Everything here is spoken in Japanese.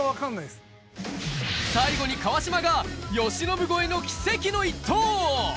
最後に川島が由伸超えの奇跡の一投！